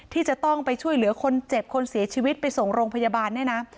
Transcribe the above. ที่จะต้องไปช่วยเหลือคนเจ็บคนเสียชีวิตไปส่งโรงพยาบาลเนี่ยนะ